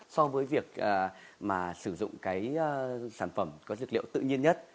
so với việc mà sử dụng cái sản phẩm có dược liệu tự nhiên nhất